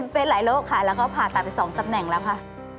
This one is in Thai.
เป็นหลายโรคค่ะแล้วก็ผ่าตัดไป๒ตำแหน่งแล้วค่ะ